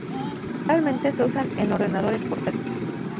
Generalmente se usan en ordenadores portátiles.